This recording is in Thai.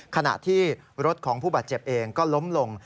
ขณะที่รถของผู้บาดเจ็บเองก็ล้มลง